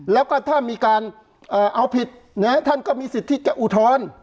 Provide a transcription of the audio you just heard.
แล้วก็ถ้ามีการเอาผิดท่านก็มีสิทธิ์ที่จะอุทธรณ์